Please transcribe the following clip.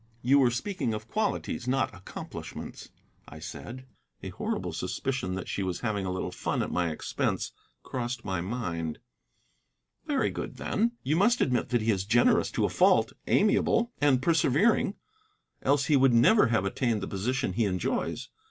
"You were speaking of qualities, not accomplishments," I said. A horrible suspicion that she was having a little fun at my expense crossed my mind. "Very good, then. You must admit that he is generous to a fault, amiable; and persevering, else he would never have attained the position he enjoys.